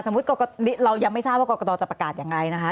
เรายังไม่ทราบว่ากรกตจะประกาศอย่างไรนะคะ